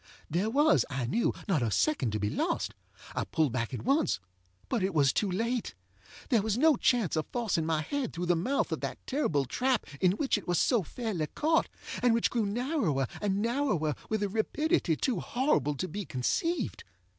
There was, I knew, not a second to be lost. I pulled back at onceŌĆöbut it was too late. There was no chance of forcing my head through the mouth of that terrible trap in which it was so fairly caught, and which grew narrower and narrower with a rapidity too horrible to be conceived.